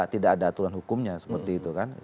tidak ada aturan hukumnya seperti itu kan